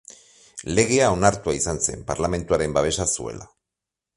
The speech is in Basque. Legea onartua izan zen, parlamentuaren babesa zuela.